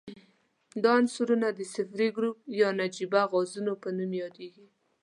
دا عنصرونه د صفري ګروپ یا نجیبه غازونو په نوم یادیږي.